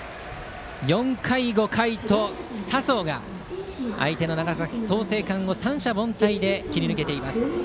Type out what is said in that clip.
４回、５回と佐宗が相手の長崎・創成館を三者凡退で切り抜けています。